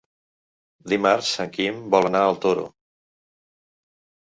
Dimarts en Guim vol anar al Toro.